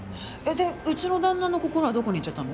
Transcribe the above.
でうちの旦那の心はどこにいっちゃったの？